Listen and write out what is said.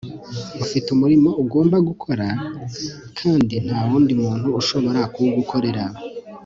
ufite umurimo ugomba gukora kandi nta wundi muntu ushobora kuwugukorera